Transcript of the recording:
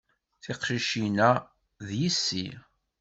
Tiqcicin-a, d yessi.